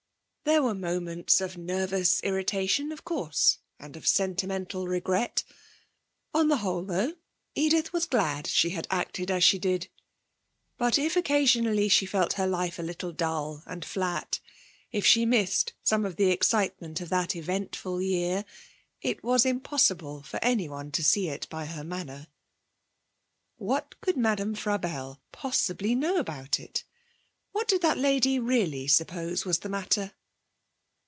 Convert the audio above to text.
There were moments of nervous irritation, of course, and of sentimental regret. On the whole, though, Edith was glad she had acted as she did. But if occasionally she felt her life a little dull and flat, if she missed some of the excitement of that eventful year, it was impossible for anyone to see it by her manner. What could Madame Frabelle possibly know about it? What did that lady really suppose was the matter?